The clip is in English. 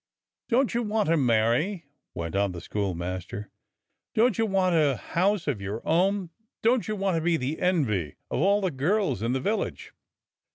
"Don't you want to marry?" went on the school master. "Don't you want a house of your own? Don't you want to be the envy of all the girls in the village?"